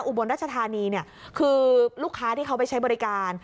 อุบลรัชธานีเนี่ยคือลูกค้าที่เขาไปใช้บริการ